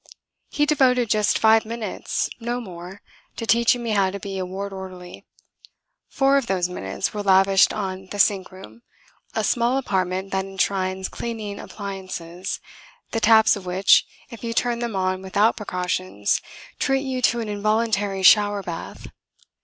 He devoted just five minutes, no more, to teaching me how to be a ward orderly. Four of those minutes were lavished on the sink room a small apartment that enshrines cleaning appliances, the taps of which, if you turn them on without precautions, treat you to an involuntary shower bath.